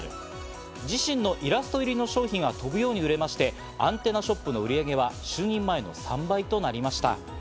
自身のイラスト入りの商品が飛ぶように売れまして、アンテナショップの売り上げは就任前の３倍となりました。